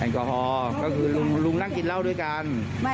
แอลกอหอก็คือลุงน่าคิดเหล้าด้วยกัน